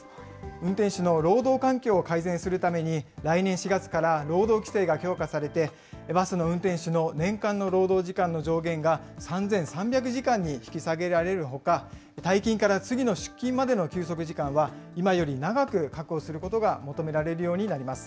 運転手の労働環境を改善するために、来年４月から労働規制が強化されて、バスの運転手の年間の労働時間の上限が３３００時間に引き下げられるほか、退勤から次の出勤までの休息時間は、今より長く確保することが求められるようになります。